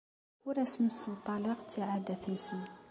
Ur asen-ssebṭaleɣ ttiɛadat-nsen.